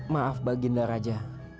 maaf baginda raja